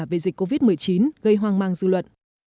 về dịch covid một mươi chín gây hoang mang dư luận